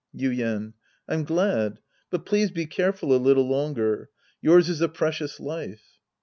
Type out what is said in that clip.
Yuien. I'm glad. But please be careful a little longer. Yours is a precious life.